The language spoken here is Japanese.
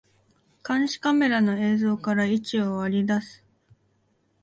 監視カメラの映像から位置を割り出す